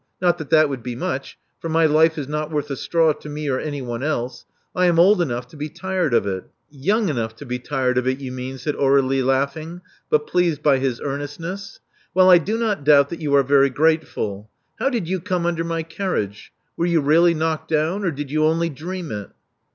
Not that that would be much; for my life is not worth a straw to me or anyone else. I am old enough to be tired of it. Young enough to be tired of it, you mean," said Aurdlie, laughing, but pleased by his earnestness. Well, I do not doubt that you are very grateful. How did you come under my carriage? Were you really knocked down; or did you only dream it?"